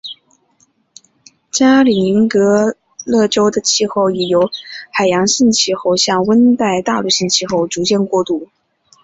加里宁格勒州的气候已由海洋性气候向温带大陆性气候逐渐过渡。